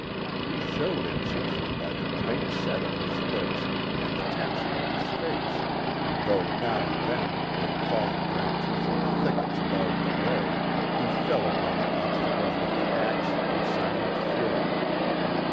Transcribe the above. He showed it chiefly by the tight set of his lips and the tension in his face, though now and then, when fallen branches or thickets barred the way, he fell upon the obstacles with the axe in silent fury.